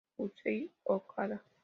Yusei Okada